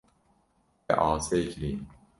Te asê kiriye.